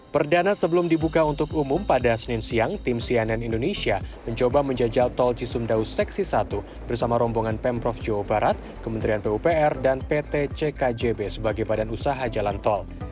perdana sebelum dibuka untuk umum pada senin siang tim cnn indonesia mencoba menjajal tol cisumdaus seksi satu bersama rombongan pemprov jawa barat kementerian pupr dan pt ckjb sebagai badan usaha jalan tol